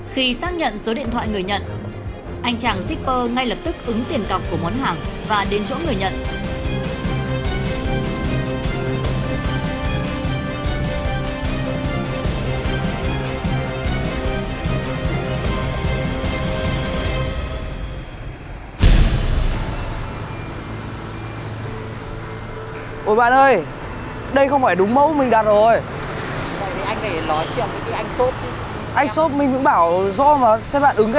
khi xác nhận số điện thoại người nhận